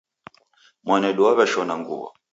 Mwanedu waweshona nguwo